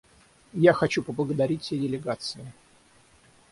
Я хочу поблагодарить все делегации.